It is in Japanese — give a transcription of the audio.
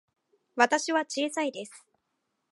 私は小さいです。